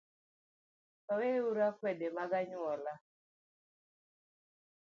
Weuru akwede mag anyuola